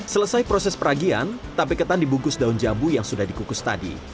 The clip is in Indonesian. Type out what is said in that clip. selesai proses peragian tape ketan dibungkus daun jambu yang sudah dikukus tadi